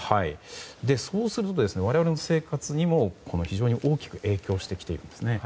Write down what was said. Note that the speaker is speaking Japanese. そうすると、我々の生活にも非常に大きく影響してきているんですね。